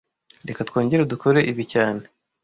Reka twongere dukore ibi cyane